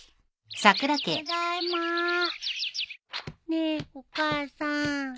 ねえお母さん。